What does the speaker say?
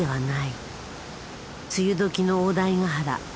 梅雨時の大台ヶ原。